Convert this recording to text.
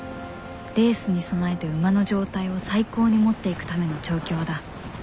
レースに備えて馬の状態を最高に持っていくための調教だ。